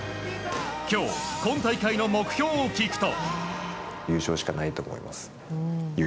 今日、今大会の目標を聞くと。